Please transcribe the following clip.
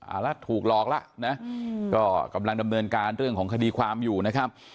เอาละถูกหลอกแล้วนะก็กำลังดำเนินการเรื่องของคดีความอยู่นะครับ